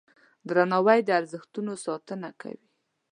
درناوی د ارزښتونو ساتنه کوي.